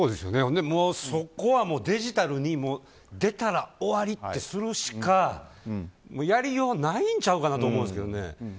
ほんで、そこはデジタルに出たら終わりってするしかもう、やりようないんちゃうかなと思うんですけどね。